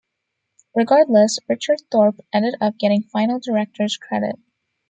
Regardless, Richard Thorpe ended up getting final director's credit.